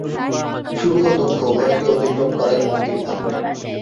সুখ ও দুঃখ উভয়কে অতিক্রম করাই মুক্তির ভাব।